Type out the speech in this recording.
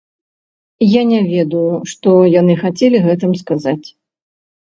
Я не ведаю, што яны хацелі гэтым сказаць.